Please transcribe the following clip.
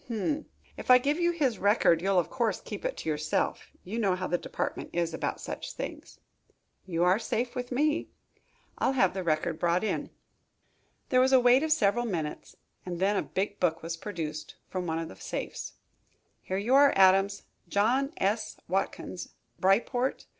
"Um! If I give you his record, you'll of course keep it to yourself. You know how the department is about such things?" "You are safe with me." "I'll have the record brought in." There was a wait of several minutes, and then a big book was produced from one of the safes. "Here you are, Adams: John S. Watkins, Bryport.